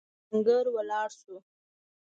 آهنګر ولاړ شو.